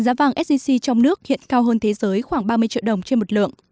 giá vàng sgc trong nước hiện cao hơn thế giới khoảng ba mươi triệu đồng trên một lượng